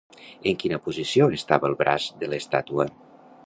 En quina posició estava el braç de l'estàtua?